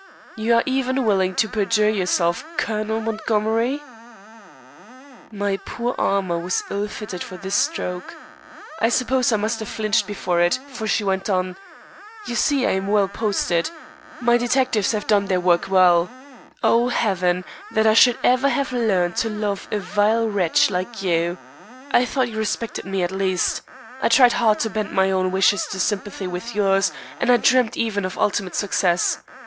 "You are even willing to perjure yourself, Colonel Montgomery?" My poor armor was ill fitted for this stroke. I suppose I must have flinched before it, for she went on: "You see I am well posted. My detectives have done their work well. Oh, Heaven, that I should ever have learned to love a vile wretch like you. I thought you respected me, at least. I tried hard to bend my own wishes to sympathy with yours, and I dreamt even of ultimate success.